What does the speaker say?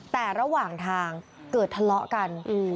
แต่ระหว่างทางเกิดทะเลาะกัน